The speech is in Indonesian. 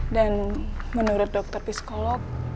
dan menurut dokter psikolog